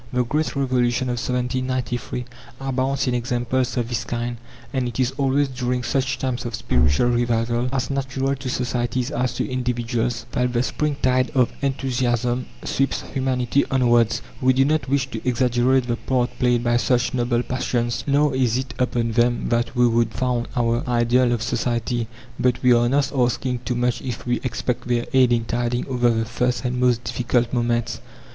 The great Revolution of 1793 abounds in examples of this kind, and it is always during such times of spiritual revival as natural to societies as to individuals that the spring tide of enthusiasm sweeps humanity onwards. We do not wish to exaggerate the part played by such noble passions, nor is it upon them that we would found our ideal of society. But we are not asking too much if we expect their aid in tiding over the first and most difficult moments.